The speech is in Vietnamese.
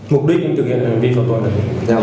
mục đích thực hiện là vì phòng tòa lực